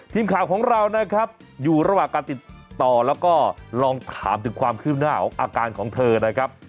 ทีมข่าวของเรานะครับอยู่ระหว่างการติดต่อแล้วก็ลองถามถึงความคืบหน้าของอาการของเธอนะครับ